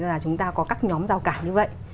là chúng ta có các nhóm giao cản như vậy